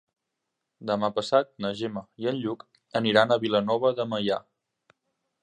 Demà passat na Gemma i en Lluc aniran a Vilanova de Meià.